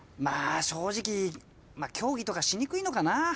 まあ正直競技とかしにくいのかな。